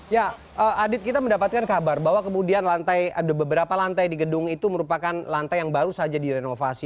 ya adit kita mendapatkan kabar bahwa kemudian beberapa lantai di gedung itu merupakan lantai yang baru saja direnovasi